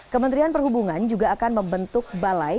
kementerian perhubungan juga akan membentuk balai